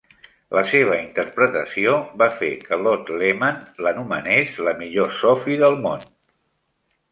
La seva interpretació va fer que Lotte Lehmann l'anomenés "la millor Sophie del món".